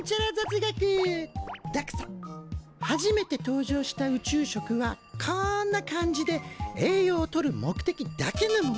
初めて登場した宇宙食はこんな感じで栄養を取る目的だけのものだったんだ。